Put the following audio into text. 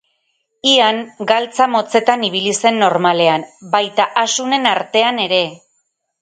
Ian galtza motzetan ibiltzen zen normalean, baita asunen artean ere.